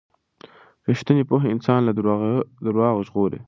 ریښتینې پوهه انسان له درواغو ژغوري.